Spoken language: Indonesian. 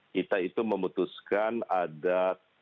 kita itu memutuskan ada